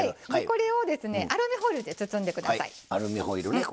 これをアルミホイルで包んでください。